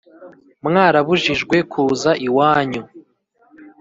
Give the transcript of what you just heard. mwarabujijwe kuza iwanyu